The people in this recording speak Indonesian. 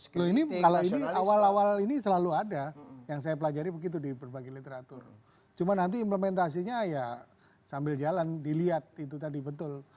kalau ini awal awal ini selalu ada yang saya pelajari begitu di berbagai literatur cuma nanti implementasinya ya sambil jalan dilihat itu tadi betul